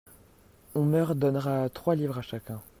On meur donnera trois livres à chacun.